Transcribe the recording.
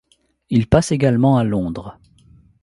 Il passe également à Londres.